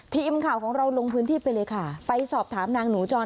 ทีมข่าวของเราลงพื้นที่ไปเลยค่ะไปสอบถามนางหนูจร